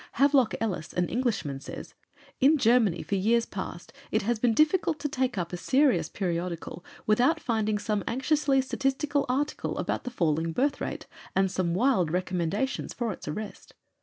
Havelock Ellis, an Englishman, says: "In Germany for years past it has been difficult to take up a serious periodical without finding some anxiously statistical article about the falling birth rate, and some wild recommendations for its arrest.